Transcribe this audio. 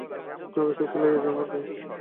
তাহাকে শক্তি লইয়াই জন্মাইতে হয়।